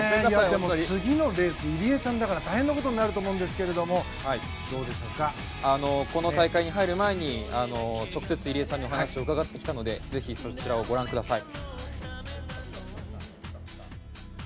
でも次のレース入江さんだから大変なことになると思うんですがこの大会に入る前に直接、入江さんにお話を伺ってきたのでぜひ、そちらをご覧ください。